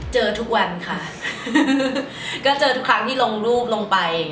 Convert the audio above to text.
เจอทุกวันค่ะก็เจอทุกครั้งที่ลงรูปลงไป